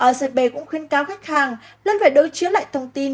rcp cũng khuyên cáo khách hàng lên phải đối chiếu lại thông tin